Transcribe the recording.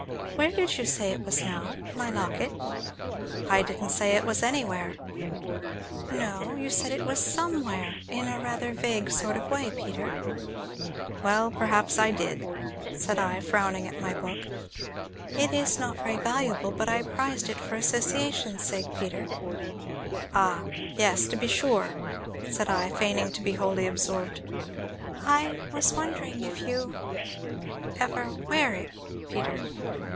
"Where did you say it was now my locket?" "I didn't say it was anywhere." "No, you said it was 'somewhere' in a rather vague sort of way, Peter." "Well, perhaps I did," said I, frowning at my book. "It is not very valuable, but I prized it for association's sake, Peter." "Ah! yes, to be sure," said I, feigning to be wholly absorbed. "I was wondering if you ever wear it, Peter?"